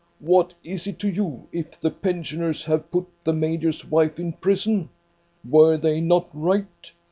What is it to you if the pensioners have put the major's wife in prison? Were they not right?